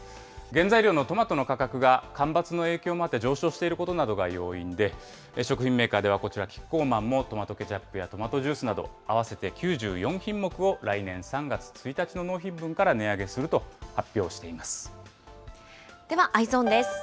原材料のトマトの価格が干ばつの影響もあって上昇していることなどが要因で、食品メーカーではこちら、キッコーマンもトマトケチャップやトマトジュースなど合わせて９４品目を来年３月１日の納品分から値上げすると発表していまではＥｙｅｓｏｎです。